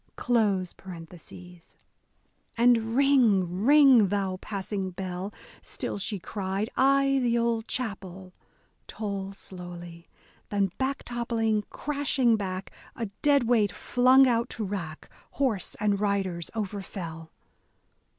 A DAY WITH E. B. BROWNING And, Ring, ring, thou passing bell," still she cried, " I' the old chapelle I"— Toll slowly. Then back toppling, crashing back — a dead weight flung out to wrack, Horse and riders overfell.